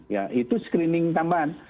ya itu screening tambahan